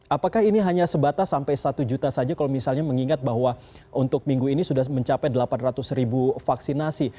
apakah ini hanya sebatas sampai satu juta saja kalau misalnya mengingat bahwa untuk minggu ini sudah mencapai delapan ratus ribu vaksinasi